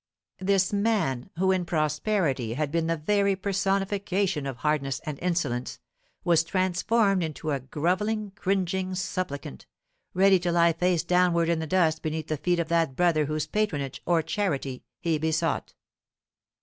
This man, who in prosperity had been the very personification of hardness and insolence, was transformed into a grovelling, cringing supplicant, ready to lie face downward in the dust beneath the feet of that brother whose patronage, or charity, he besought.